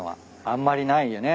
あんまりないよね。